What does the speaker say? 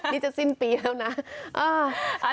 นี่จะสิ้นปีแล้วนะ